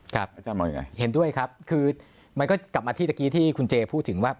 ครับเห็นด้วยครับคือมันก็กลับมาที่เตะกี้ที่คุณเจพูดถึงว่า